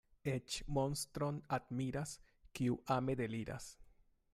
Eĉ monstron admiras, kiu ame deliras.